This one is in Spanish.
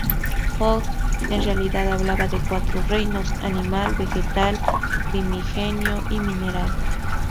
Hogg en realidad hablaba de cuatro reinos: animal, vegetal, primigenio y mineral.